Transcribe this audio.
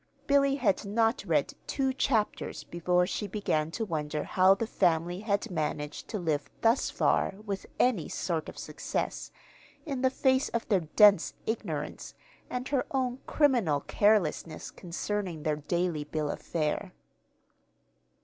Billy had not read two chapters before she began to wonder how the family had managed to live thus far with any sort of success, in the face of their dense ignorance and her own criminal carelessness concerning their daily bill of fare.